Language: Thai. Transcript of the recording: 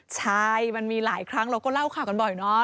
ใช่มันมีหลายครั้งเราก็เล่าข่าวกันบ่อยเนาะ